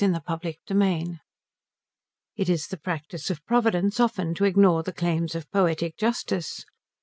"Of course Mr. Robin." XII It is the practice of Providence often to ignore the claims of poetic justice.